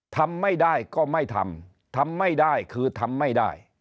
ทำไม่ได้ก็ไม่ทำทำไม่ได้คือทำไม่ได้